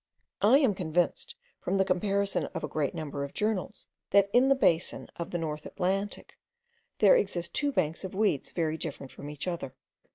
I am convinced, from the comparison of a great number of journals, that in the basin of the Northern Atlantic there exist two banks of weeds very different from each other.